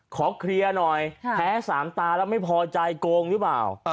ขอเคลียร์หน่อยแพ้สามตาแล้วไม่พอใจโกงหรือเปล่า